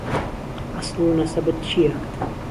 عهسڵ و نهسهبت چییه